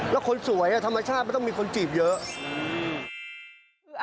แล้วคนสวยธรรมชาติมันต้องมีคนจีบเยอะ